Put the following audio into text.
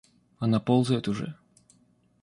Она ползает уже.